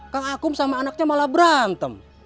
kang akum sama anaknya malah berantem